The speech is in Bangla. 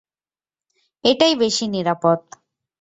এটাই বেশি নিরাপদ।